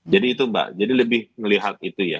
jadi itu mbak jadi lebih melihat itu ya